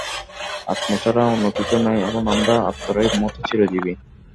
আত্মা ছাড়া অন্য কিছুই নাই এবং আমরা আত্মারই মত চিরজীবী।